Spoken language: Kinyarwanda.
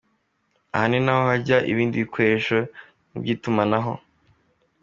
Aha ninaho hajya ibindi bikoresho nk’iby’itumanaho.